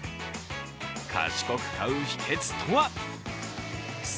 賢く買う秘けつとは。